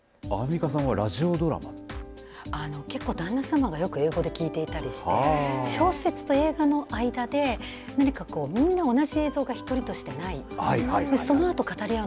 結構、旦那さまが横で聞いていたりして小説の映画の間で何かこう、みんな同じ映像が１人としてない。